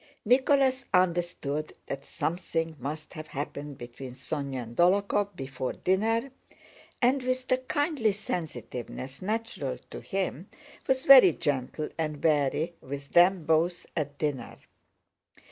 Nicholas understood that something must have happened between Sónya and Dólokhov before dinner, and with the kindly sensitiveness natural to him was very gentle and wary with them both at dinner.